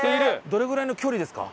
どれぐらいの距離ですか？